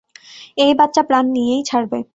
এই বাচ্চা প্রাণ নিয়েই ছাড়বে।